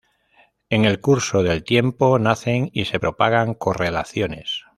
En el curso del tiempo nacen y se propagan correlaciones.